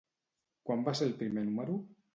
Quan va ser el primer número?